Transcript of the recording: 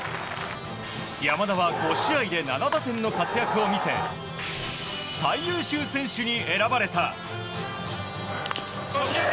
山田は５試合で７打点の活躍を見せ最優秀選手に選ばれた。